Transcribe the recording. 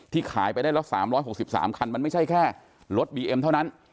ที่ขายไปได้แล้วสามร้อยหกสิบสามคันมันไม่ใช่แค่รถบีเอ็มเท่านั้น